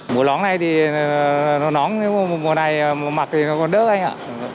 mùa lóng này thì nó nóng mùa này mặc thì nó còn đỡ anh ạ